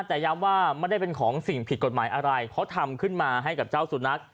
แต่ย้ำว่าไม่ได้เป็นของสิ่งผิดกฎหมายอะไรเขาทำขึ้นมาให้กับเจ้าสุนัข